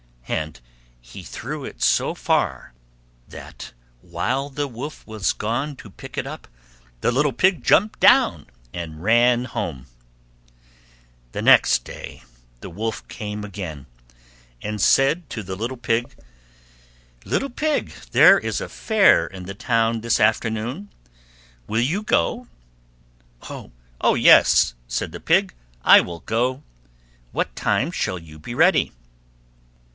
And he threw it so far that, while the Wolf was gone to pick it up, the little Pig jumped down and ran home. The next day the Wolf came again, and said to the little Pig, "Little Pig, there is a Fair in the Town this afternoon: will you go?" "Oh, yes," said the Pig, "I will go; what time shall you be ready?"